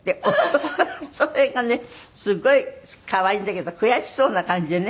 それがねすごい可愛いんだけど悔しそうな感じでね。